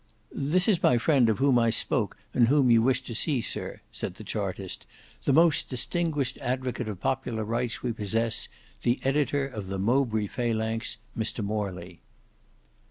"This is my friend of whom I spoke and whom you wished to see, Sir," said the Chartist, "the most distinguished advocate of popular rights we possess, the editor of the Mowbray Phalanx, Mr Morley."